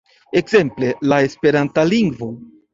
Ekzemple, la esperanta lingvo.